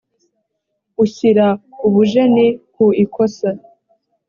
ushyira ubujeni ku ikosa